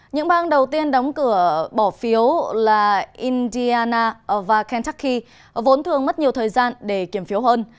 những bang đầu tiên đóng cửa bỏ phiếu là indiana và kentucky vốn thường mất nhiều thời gian để kiểm phiếu hơn